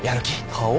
顔？